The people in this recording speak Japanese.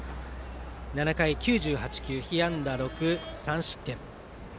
７回９８球被安打６、３失点。